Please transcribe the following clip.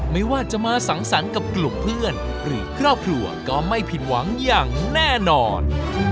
ไม่ว่าจะมาสังสรรค์กับกลุ่มเพื่อนหรือครอบครัวก็ไม่ผิดหวังอย่างแน่นอน